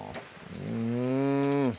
うん